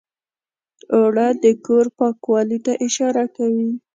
اوړه د کور پاکوالي ته اشاره کوي